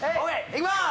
いきます！